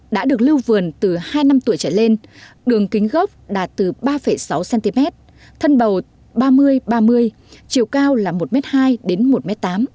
đã được lưu vườn từ hai năm tuổi trở lên đường kính gốc đạt từ ba sáu cm thân bầu ba mươi ba mươi chiều cao là một m hai đến một m tám